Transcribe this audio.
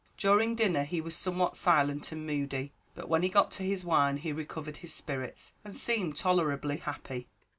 During dinner he was somewhat silent and moody; but when he got to his wine he recovered his spirits, and seemed tolerably happy.